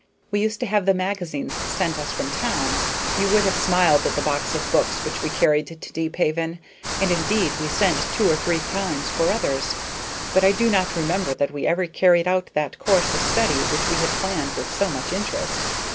We used to have the magazines sent us from town; you would have smiled at the box of books which we carried to Deephaven, and indeed we sent two or three times for others; but I do not remember that we ever carried out that course of study which we had planned with so much interest.